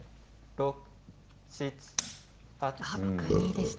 ６二でした。